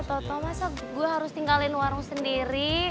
toto masa gue harus tinggalin warung sendiri